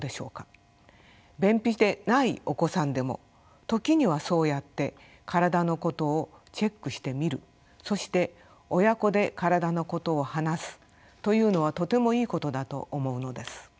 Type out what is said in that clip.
便秘でないお子さんでも時にはそうやって体のことをチェックしてみるそして親子で体のことを話すというのはとてもいいことだと思うのです。